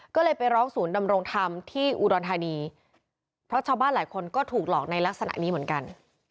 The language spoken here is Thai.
ก็เลยไปร้องศูนย์ดำรงธรรมที่อุดรธานีเพราะชาวบ้านหลายคนก็ถูกหลอกในลักษณะนี้เหมือนกัน